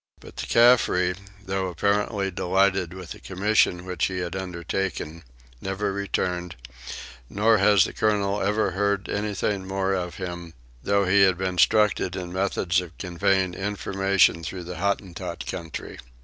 But the Caffre, although apparently delighted with the commission which he had undertaken, never returned, nor has the colonel ever heard anything more of him, though he had been instructed in methods of conveying information through the Hottentot country.